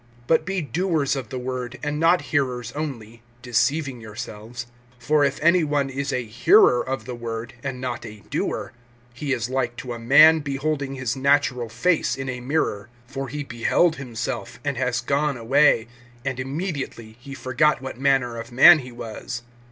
(22)But be doers of the word, and not hearers only, deceiving yourselves. (23)For if any one is a hearer of the word, and not a doer, he is like to a man beholding his natural face in a mirror. (24)For he beheld himself, and has gone away; and immediately he forgot what manner of man he was.